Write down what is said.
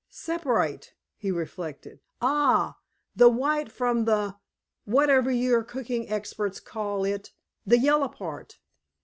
"Separate!" he reflected. "Ah the white from the whatever you cooking experts call it the yellow part."